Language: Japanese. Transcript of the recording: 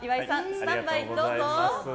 スタンバイどうぞ。